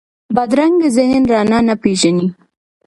بدرنګه ذهن رڼا نه پېژني